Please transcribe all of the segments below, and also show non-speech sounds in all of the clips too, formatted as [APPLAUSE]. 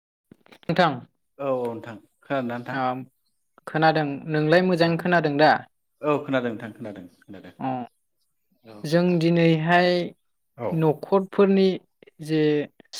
[INAUDIBLE] औ नोंथां खोनादोंना नोंथां। ओ खोनादों नोंलाय औ मोजाङै खोनादों दा? औ खोनादों नोंथां खोनादों खोनादों अ जों दिनैहाय औ न'खरफोरनि जे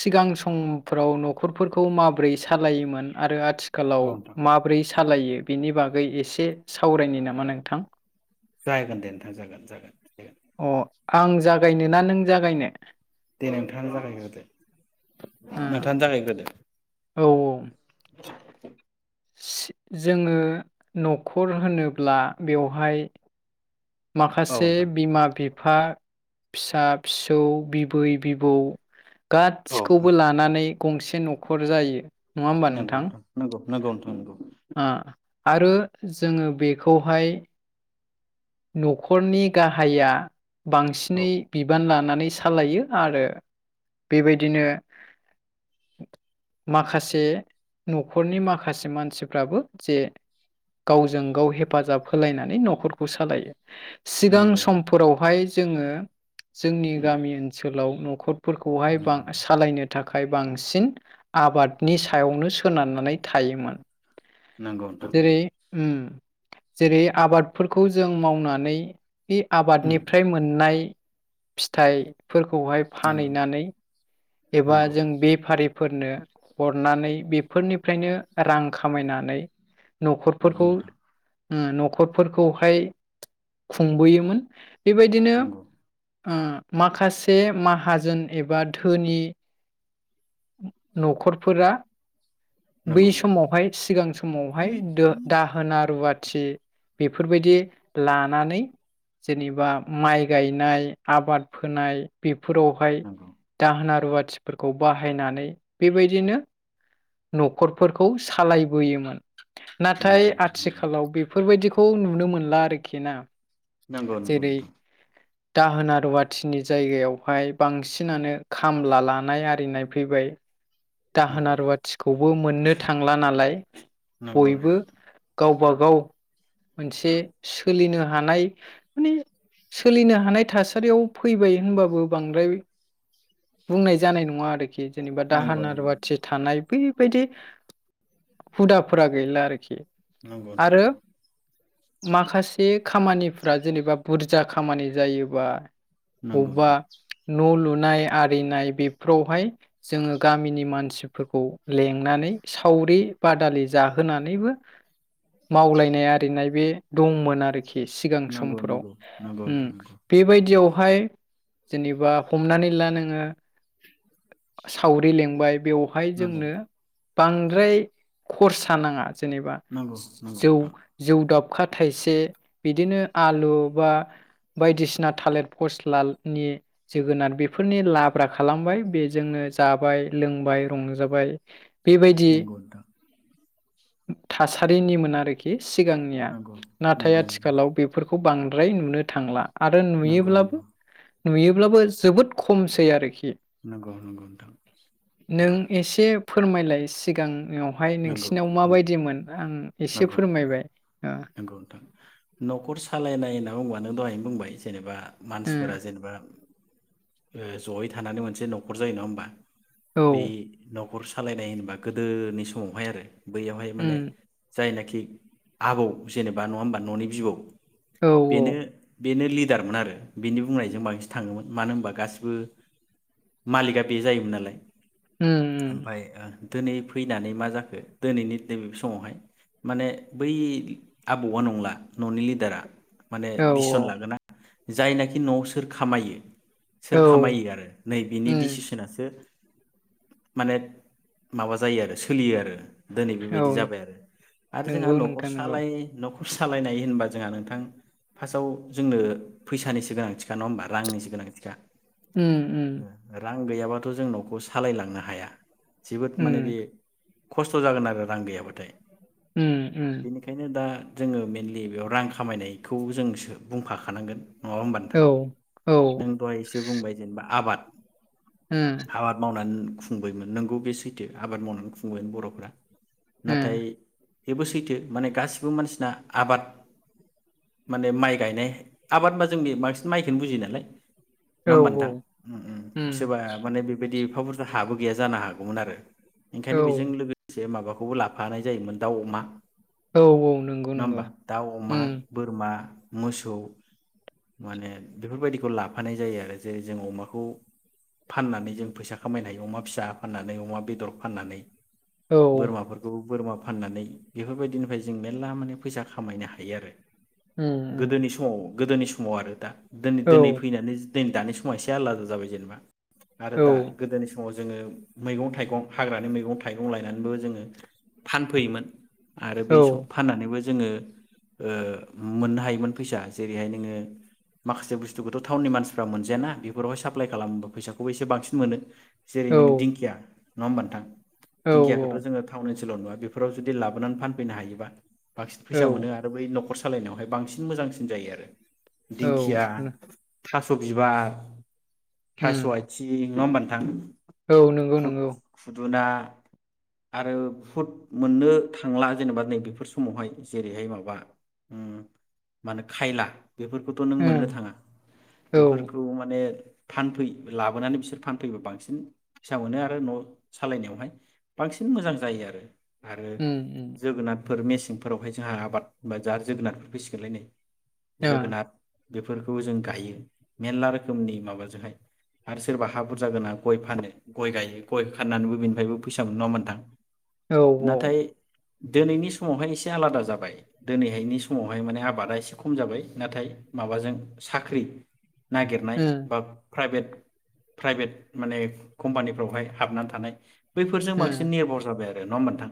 सिगां समफ्राव न'खरफोरखौ माबोरै सालायोमोन आरो आथिखालाव नोंथां माब्रै सालायो बिनि बागै एसे सावरायनो नामा नोंथां जागोन दे नोंथां जागोन जागोन अ आं जागायनो ना नों जागायनो दे नोंथाङा जागायग्रोदो ओ नोंथाङानो जागायग्रोदो औ औ जोङो न'खर होनोब्ला बेवहाय औ माखासे नोंथां बिमा बिफा फिसा फिसौ बिबै बिबौ औ गासिखौबो नोंथां लानानै गंसे न'खर जायो नङा होमबा नंगौ नोंथां नंगौ नोंगौ नोथां नोंगौ आरो जोङो बेखौहाय न'खरनि गाहाया बांसिनै बिबान लानानै नानै सालायो आरो बेबायदिनो माखासे नखरनि माखासे मानसिफ्राबो जे गावजों गाव हेफाजाब होलायनानै न'खर खौ सालायो सिगां नंगौ औ समफोरावहाय जोङो जोंनि गामि ओनसोलाव न'खर फोरखौहाय बां नंगौ नोंथां सालायनो थाखाय बांसिन आबादनि सायावनो सोनारनानै थायोमोन जेरै उम जेरै आबाद खौ जों मावनानै बे उम आबादनिफ्राय मोननाय फिथाइ फोरखौहाय नंगौ फानहैनानै एबा नोंथां जों बेफारिफोरनो हरनानै फोरनिफ्रायनो रां खामायनानै नंगौ न'खरफोरखौ नोंथां ओम न'खरफोर खौहाय खुंबोयोमोन। बेबायदिनो नंगौ उम ओ माखासे माहाजोन एबा धोनि। न'खरफोरा बै नंगौ नंगौ समावहाय सिगां समावहाय दो दाहोना रुवाथि थि। बेफोरबायदि लानानै जेनेबा माइ गायनाय आबाद फोनाय फोरावहाय दाहोना रुवाथ थिफोरखौ बाहायनानै बेबायदिनो न'खरफोरखौ सालायबोयोमोन। नंगौ नाथाय नोंथां आथिखालाव बेफोरबायदि नुनो मोनला आरोखि ना? नगौ नंगौ जेरै नोंथां। दाहोना रुवाथिनि जायगायावहाय बांसिनानो खामला लानाय आरिनाय फैबाय। दाहोन नंगौ रुवाथिखौ। बो मोननो थांला नालाय। नंगौ नंगौ नोंथां। बा गाव मोनसे सोलिनो हानाय माने सोलिनो हानाय थासारियाव फैबाय होनबाबो बांद्राय बुंनाय जानाय नङा आरोखि जेनेबा नंगौ नंगौ नोंथां नंगौ नोंथां नंगौ दाहोना रुवाथि थानाय बिब बेबायदि हुदाफोरा गैला आरोखि। नंगौ नोथां आरो नंगौ। माखासे खामानिफ्रा जेनेबा बुरजा खामानि जायोबा नंगौ अबा नोंथां न' लुन नाय आरिनाय बेफ्रौहाय जोङो गामिनि मानसिफोरखौ लेंनानै सावरि बादालि जाहोनानैबो मावलायनाय आरिनाय बे दंमोन आरोखि सिगां नंगौ समफोराव नंगौ नंगौ उम नोंथां बेबायदियावहाय जेनेबा हमनानै ला नोङो सावरि लेंबाय। बेवहाय नंगौ जोंनो। बांद्राय खरसा नाङा। जेनेबा नंगौ जौ नंगौ जौदाब अखा थायसे बिदिनो आलु बा बायदिसिना थालिर फस्लानि जोगोनार बेफोरनि लाब्रा खालामबाय बेजोंनो जाबाय लों बाय रंजाबाय नंगौ नोंथां। थासारिनिमोन आरोखि। सिगांनिया नाथाय नंगौ नोंथां आथिखालाव बेफोर खौ बांद्राय नुनो थांला। आरो नंगौ नुयोब्लाबो नोंथां नुयोब्लाबो जोबोद खमसै आरोखि। नोंगौ नोंगौ नोंथां। नों नंगौ एसे फोरमायलाय सिगां नियाव नंगौ एसे नंगौ फोरमायबाय नंगौ नोंथां नखर सालायनाय होनना बुंबा नों दहाय बुंबाय जेनेबा मानसिफोरा जेनेबा जयै थानानै मोनसे नखर जायो नङा होमबा? ओ बे न अर सालायनाय होनबा गोदोनि स माव उनावहाय आरो। बैयावहाय माने जाय नि खि आबौ जेनेबा नङा होमबा ननि बिबौ औ औ। बेनो बेनो लिडारमोन आरो बेनि बुंनायजों बांसिन थाङोमोन मानो होमबा गासिबो मालिकआ बे जायोमोन नालाय। उम ओमफ्राय ओ दिनै फैनानै माजा जाखो दिनैनि नैबे समावहाय माने बै आबौआ नंला ननि लिडारा। माने औ दिससन लागोना जायनाखि नआव सोर खामायो उम औ सोर खामायो आरो नै बिनि उम डिसिसनासो माने माबा जायो आरो सो सोलियो आरो। दिनै औ बेबायदि जाबाय आरो आरो जोंहा नंगौ नखर नोंथां नंगौ सालाय नख सालायनाय होनबा जोंहा नोंथां फार्स्टआव जोंनो फैसानिसो गोनांथिखा नङा होमबा रांनिसो गोनांथिखा। उम उम। रां गैयाबाथ जों नखौ सालायलांनो हाया। जोबोद माने बे उम खस्थ जागोन आरो रां गैयाबाथाय। उम उम बेनिखायनो दा जोङो मेनलि बेयाव रां खामायनायखौ जोंसो बुंफाखानांगोन। नङा होमबा औ नोंथां औ नों दहाय एसे बुंबाय जेनेबा आबाद उम हाबाद मावनानै खुंबायमोन नोंगौ बे सैथो आबाद मावनानै बरफ्रा नाथाय उम बेबो सैथो माने गासिबो मानसिना आबाद माने माइ गायनाय आबादबा जोंनि बांसिन माइखोनो बुजियो नालाय नंङा औ होमबा नोंथां उम सोरबा माने बेबायदि एफाबुरजा हाबो गैया जानो हागौमोन आरो औ ओंखायनो बेजों लोगोदसे माबाखौ खौबो लाफानाय जायोमोन दाउ अमा औ औ नंगौ नंङा नंगौ होमबा दाउ, अमा, उम बोरमा मोसौ माने बेफोरबायदिखौ लाफानाय जायो आरो जे जों अमाखौ फाननानै जों फैसा खामायनो हायो अमा फिसा फाननानै अमा बेदर फाननानै औ बोरमाफोरखौ बोरमा फाननानै बेफोरबायदिनिफ्राय जों मेल्ला माने फैसा खामायनो हायो आरो उम उम गोदोनि समाव गोदोनि समाव आरो दा दोनै औ दोनै फैनानै दिनै दानि समाव एसे आलादा जाबाय जेनेबा आरो औ दा गोदोनि जोंङो मैगं थाइगं हाग्रानि मैगं थाइगं थाइगं लायनानैबो जोंङो फानफैयोमोन आरो बे औ सम फाननानैबो जोंङो ओ मोननो हायोमोन फैसा जेरैहाय जोंङो माखासे बुस्थुखौथ टाउननि मानसिफ्रा मोनजायाना बेफोरावहाय साप्लााय खालामो फैसाखौबो एसे बांसिन मोनो जो जेरै नों औ दिंखिया नङा होनबा नोंथां दिंखिया खोथ जोंडों थाव ओनसोलाव नंङा बेफोराव जुदि लाबोनानै फानफैनो हायोबा बांसिन फैसा मोनो औ आरो बै नखर सालायनायावहाय बांसिन मोजांसिन जायो आरो दिंखिया औ औ थास बिबार थास उम आइथिं नंङा होमबा नोंथां। औ नंगौ खुद नंगौ खुदुना। आरो बुहुद मोननो थांला जेनेबा नैबेफोर समावहाय जेरैहाय माबा ओ मा होनो खायला। बेफोरखौथ' नों मोननो उम थाङा औ बेफोरखौ माने। फानफै लाबोनानै बिसोर फानफैबा बांसिन फिसा मोनो आरो न' सालायनायावहाय। बांसिन मोजां जायो आरो। आरो उम उम जोगोनार। फोर मेसेंफोरावहाय जोंहा आबाद बा जोगोनारफोर फैसिगोनलाय नै। ओ जोगोनार। बेफोरखौबो जों गायो मेरला रोखोमनि माबाजोंहाय आरो सोरबा हा बुरजा गोना गय फानो गय गायो गय फाननानैबो बेनिफायबो फैसा। फैसा मोनो नङा होनबा नोंथां। औ औ। नाथाय दिनैनि समावहाय एसे आलादा जाबाय दिनैहायनि समावहाय माने आबादा एसे खम जाबाय नाथाय माबाजों साख्रि। नागिरनाय उम बा प्राइभेट। प्राइभेट माने कम्पानिफ्रावहाय हाबनानै थानाय। बैफोरजों बांसिन उम निर्भर जाबाय आरो। नङा होनबा नोंथां।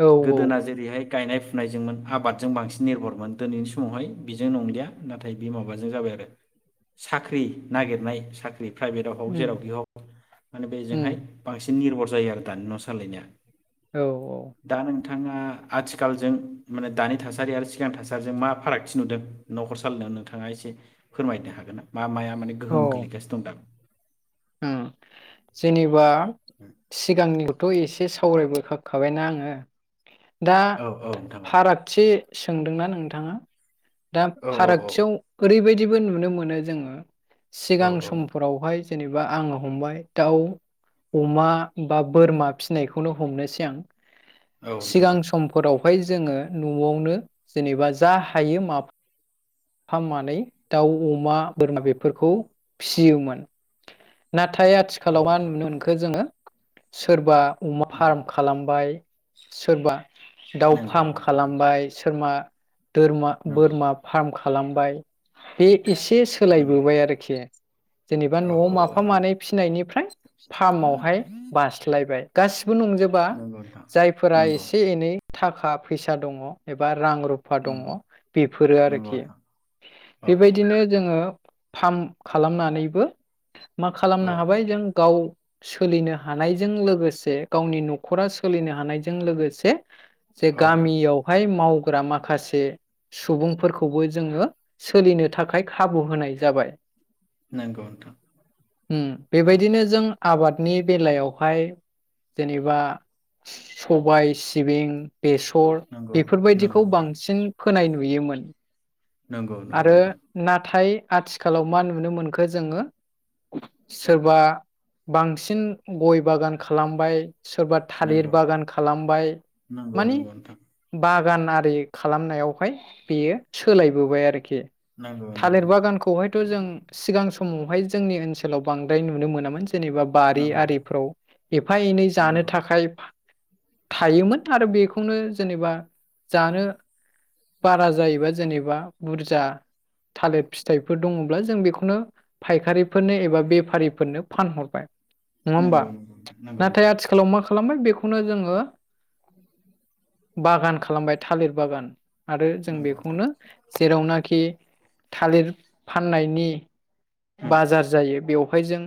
औ गोदोना जेरैहाय। गायनाय फुनायजोंमोन आबादजों बांसिन निर्भरमोन दिनैनि समावहाय बेजों नंलिया नाथाय बे माबाजों जाबाय आरो साख्रि नागिरनाय सा प्राइभेटआव जेराव उम बेयाव माने बेजोंहाय उम बांसि भर जायो आरो दानि न' सालायनाया। औ औ। दा नोंथाङा आथिखालजों माने दानि थासारि आरो सिगां थासारिजों मा फारागथि नुदों न'खर सालायनायाव नोंथाङा एसे फोरमायनो हागोन ना। मा माया माने गोहोम गोलैगासिनो दं दा। ओ जेनेबा। सिगां। आंनिखौथ' एसे सावरायबोखा खाबायना आङो। दा औ औ नोंथां औ फारागथि। सोंदोंना नोंथाङा। दा औ फारागथियाव ओरैबायदिबो नुयो। नुनो मोनो जोङो। औ सिगां समफोरावहाय। जेनेबा आङो हमबाय दाउ। अमा बा बोरमा फिसिनायखौनो हमनोसै आं औ नोंथां औ सिगां समफोरावहाय जोङो न'आवनो जेनेबा जा हायो माब फामनानै दाउ अमा बोरमा औ बेफोरखौ फियोमोन नाथ नाथाय आथिखालाव मा नोंथां नुनो मोनखो जोङो सोरबा अमा उम, फार्म खालामबाय सोरबा दाउ नंगौ फार्म नंगौ नोंथां खालामबाय सोरमा थोरमा नंगौ बोरमा फार्म खाम खामबाय हि एसे नंगौ सोलायबोबाय आरोखि जेनेबा औ न'आव औ औ माफा नोंथां मानै फिसिनायनिफ्राय फार्मावहाय बास्लायबाय गासिब बोनंजोबा नंगौ नोंथां जायफोरा नंगौ एसे एनै था थाखा फैसा दङ एबा रां रुफा दङ नंगौ बेफोरो नंगौ आरोखि नोंथां औ बेबायदिनो जोङो फार्म खालामनानैबो मा औ खालामनो हाबाय जों गाव सोलिनो हानायजों लोगोसे गावनि न'खरा सोलिनो हानायजों लोगोसे जे औ नोंथां गामियावहाय माव फोरा माखासे सुबुंफोरखौबो जोङो सोलिनो थाखाय खाबु होनाय जाबाय नंगौ नोंथां उम नंगौ बेबायदिनो जों आबाद नि बेलायावहाय जेनेबा सबाय, सिबिं बेसर नंगौ नंगौ बेफोरबायदिखौ नोंथां बांसिन फोनाय नु नुयोमोन आरो नाथाय आथिखालाव मा नुनो मोनखो जोङो सोरबा बांसिन गय बागान खालामबाय सोरबा थालिर नंगौ बागान खालामबाय नंगौ मानि नोंथां बाग गान आरि खालामनायावहाय बेयो सोलायबोबाय आरोख खि नंगौ नंगौ नोंथां नंगौ थालिर नोंथां बागानखौहायथ' जों सिगां समावहाय जोंनि ओनसो लाव बांद्राय नुनो मोनामोनस। जेनेबा बारि नंगौ आरिफ्राव एफा एनै जानो नंगौ थाखाय। थायोमोन आरो बेखौनो जेनेबा जानो बारा जायोबा। जेनेबा बुरजा थालिर फिथाइफोर दङब्ला जों बेखौनो फायखारिफोरनो एबा बेफारिफोरनो फानहरबाय। नङा होमबा नंगौ नोंथां नंगौ नंगौ नाथाय नोंथां आथिखालाव मा खालामबाय बेखौनो जोङो। [INAUDIBLE] बागान खालामबाय थालिर बागान। आरो जों बेखौनो। जेरावनाखि थालिर फाननायनि। उम बाजार जायो बेयाव। ओमफाय जों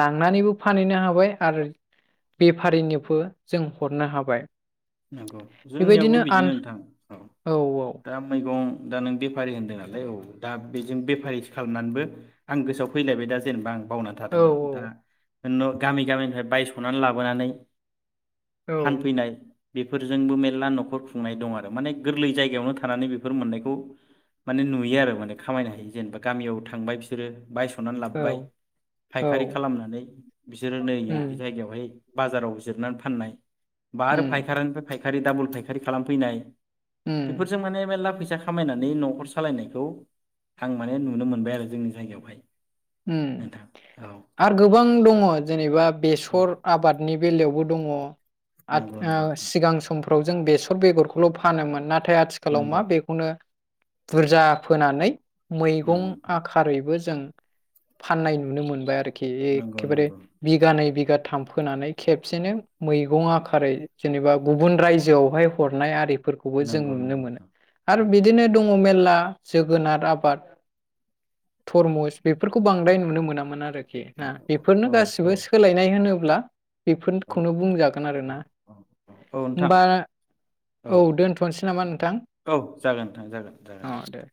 लांनानैबो फानहैनो हाबाय आरो बेफारिनोबो जों हरनो हाबाय। नंगौ जोंनियावबो बेबायदिनो आन बिदिनो नोंथां औ दा मैगं दा नों बेफारि होनदों नालाय औ दा बेजों बेफारि खालामनानैबो आं गोसोआव फैलायबाय दा जेनेबा आं। बावनानै औ थादोंमोन दा। न' गामि गामिनिफ्राय बायस'नानै लाबोनानै। औ फानफैनाय। बेफोरजोंबो मेरला न'खर खुंनाय दं आरो माने गोरलै जायगायावनो थानानै बेफोर मोननायखौ माने नुयो आरो माने खामायनो हायो जेनेबा गामियाव थांबाय बिसोरो। बायस'नानै औ लाबोबाय फायखारि औ खालामनानै बिसोरो नै उम जायगायावहाय। बाजाराव जिरनानै फाननाय। बा आरो उम। फायखारिनिफ्राय फायखारि दाबल फायखारि खालामफैनाय। उम बेफोरजों माने मेरला फैसा। सा खामायनानै न'खर सालायनायखौ आं माने नुनो मोनबाय आरो जोंनि जायगायावहाय। ओम नोंथां औ आरो गोबां दङ जेनेबा औ बेसर आबादनि बेलायावबो। दङ। आथ नंगौ ओ नंगौ नोंथां सिगां सम। फोराव जों बेसर बेगरखौल' फानोमोन ना। थाय आथिखालाव नंगौ मा बेखौनो। बुरजा फोनानै। मैगं नंगौ नोंथां आखारैबो जों। फाननाय नुनो मोनबाय आरो खि नंगौ एखेबारे नंगौ बिघानै बिघा थाम फोनानै खेबसेनो मैगं आखारै जेनेबा गुबुन रायजोआवहाय हरनाय आरि। फोरखौबो जों नंगौ नंगौ नुनो मोनो नोंथां आरो नंगौ बिदिनो नंगौ दङ मेरला। जोगोनार आबाद। थरमुस बे फोरखौ बांद्राय नुनो मोनामोन आरो। खेना बेफोरनो औ औ गासिबो सोलायनाय होनोब्ला औ बेफोनखौनो बुंजागोन औ आरोना औ औ नोंथां होमबा औ औ दोनथ'नोसै नामा नोंथां? औ जागोन नोंथां जागोन जागोन अ दे। [INAUDIBLE]